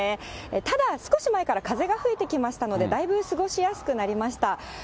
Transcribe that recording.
ただ少し前から風が吹いてきましたので、だいぶ過ごしやすくなりました。